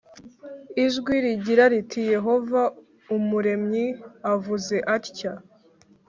ijwi rigira riti yehova umuremyiavuze atya